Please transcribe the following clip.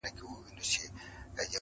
خلک بېلابېل اوازې جوړوي تل-